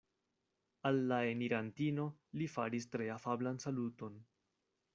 Al la enirantino li faris tre afablan saluton.